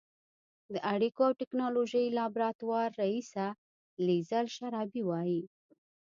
د اړیکو او ټېکنالوژۍ لابراتوار رییسه لیزل شرابي وايي